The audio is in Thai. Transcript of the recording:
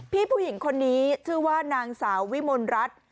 ผู้หญิงคนนี้ชื่อว่านางสาววิมลรัฐ